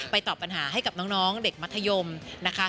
ตอบปัญหาให้กับน้องเด็กมัธยมนะคะ